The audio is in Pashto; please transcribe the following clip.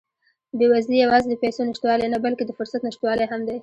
بېوزلي یوازې د پیسو نشتوالی نه، بلکې د فرصت نشتوالی هم دی.